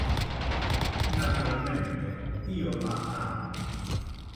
Naturalmente io la ama!